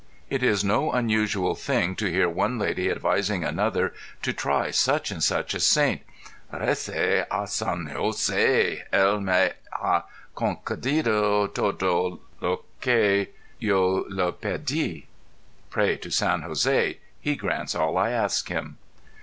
It is no unusual thing to hear one lady advising another to try such and such a saint. "Rece ├Ī San Jos├®, ├®l me ha concedido todo lo que yo le ped├Ł". Pray to San Jos├® he grants all I ask him.